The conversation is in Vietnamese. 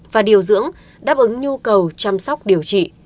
và điều dưỡng đáp ứng nhu cầu chăm sóc điều trị